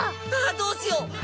あぁどうしよう！